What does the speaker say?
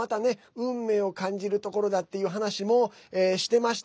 運命を感じるところだっていう話もしてました。